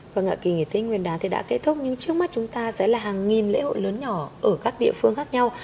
và ngại kỳ nghỉ tết nguyên đán thì đã kết thúc nhưng trước mắt chúng ta sẽ là hàng nghìn lễ hội lớn nhỏ ở các địa phương khác nhau